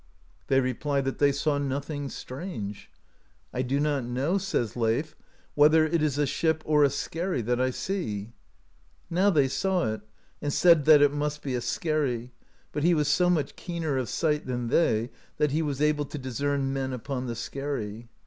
They replied that they saw nothing strange. "I do not know," says Leif, "whether it is a ship or a skerry that I see." Now they saw it, and said that it must be a skerry; but he was so much keener of sight then they that he was able to discern men upon the skerry.